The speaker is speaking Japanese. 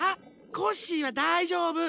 コッシーはだいじょうぶ。